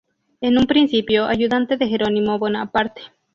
Es en un principio ayudante de Jerónimo Bonaparte.